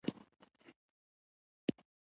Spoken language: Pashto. سکاره د فوسیل سون توکو له ډلې څخه دي.